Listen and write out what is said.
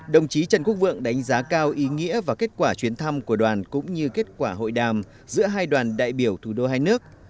đồng chí trần quốc vượng đánh giá cao ý nghĩa và kết quả chuyến thăm của đoàn cũng như kết quả hội đàm giữa hai đoàn đại biểu thủ đô hai nước